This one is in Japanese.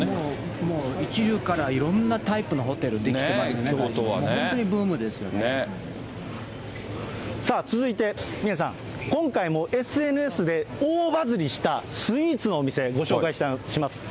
もう一流からいろんなタイプのホテル出来ていますから、本当続いて宮根さん、今回もＳＮＳで大バズりしたスイーツのお店、ご紹介します。